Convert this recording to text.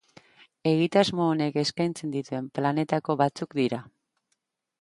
Egitasmo honek eskaintzen dituen planetako batzuk dira.